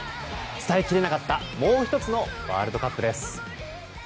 伝えきれなかったもう１つのワールドカップです。